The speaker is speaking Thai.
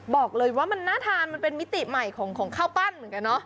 บอกเลยว่ามันน่าทานมันเป็นมิติใหม่ของข้าวปั้นเหมือนกันเนอะ